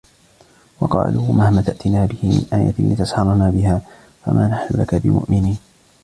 وقالوا مهما تأتنا به من آية لتسحرنا بها فما نحن لك بمؤمنين